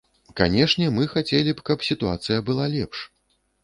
Канешне, мы хацелі б, каб сітуацыя была лепш.